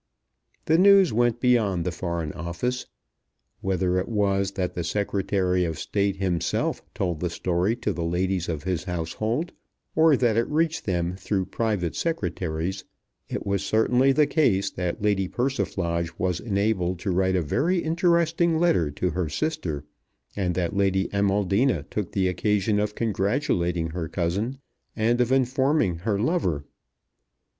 The news went beyond the Foreign Office. Whether it was that the Secretary of State himself told the story to the ladies of his household, or that it reached them through private secretaries, it was certainly the case that Lady Persiflage was enabled to write a very interesting letter to her sister, and that Lady Amaldina took the occasion of congratulating her cousin and of informing her lover.